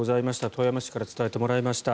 富山市から伝えてもらいました。